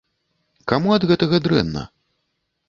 Каму ад гэтага дрэнна?